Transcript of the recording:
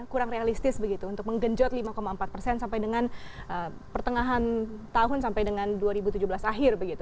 kurang realistis begitu untuk menggenjot lima empat persen sampai dengan pertengahan tahun sampai dengan dua ribu tujuh belas akhir begitu